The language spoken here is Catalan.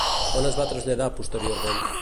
On es va traslladar posteriorment?